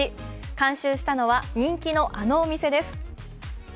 監修したのは人気のあのお店です。